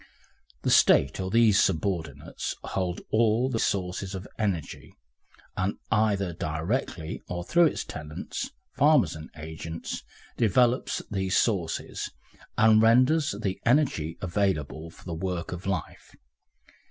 The State or these subordinates holds all the sources of energy, and either directly or through its tenants, farmers and agents, develops these sources, and renders the energy available for the work of life.